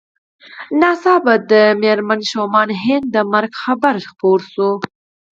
ناڅاپه د مېرمن شومان هينک د مرګ خبر خپور شو